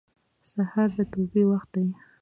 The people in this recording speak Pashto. سهار د توبې وخت دی.